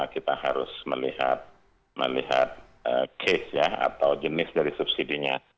kita harus melihat case atau jenis dari subsidinya